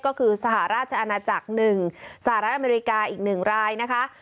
ก็คือสหราชอาณาจักร๑สหรัฐอเมริกาอีก๑รายนะคะ